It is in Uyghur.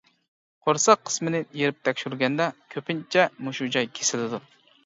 قورساق قىسمىنى يېرىپ تەكشۈرگەندە كۆپىنچە مۇشۇ جاي كېسىلىدۇ.